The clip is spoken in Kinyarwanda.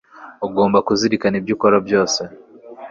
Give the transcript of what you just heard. ugomba kuzirikana ibyo ukora byose